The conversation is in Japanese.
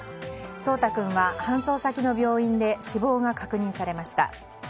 蒼天君は、搬送先の病院で死亡が確認されました。